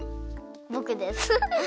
ぼくです。